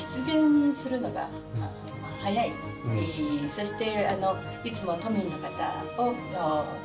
そして。